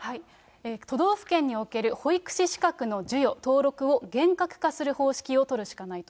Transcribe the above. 都道府県における保育士資格の授与・登録を厳格化する方式を採るしかないと。